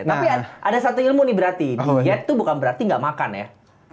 tapi ada satu ilmu nih berarti diet itu bukan berarti nggak makan ya